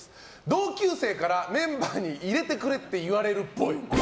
同級生からメンバーに入れてくれって言われるっぽい。